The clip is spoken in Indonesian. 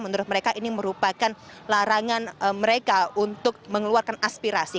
menurut mereka ini merupakan larangan mereka untuk mengeluarkan aspirasi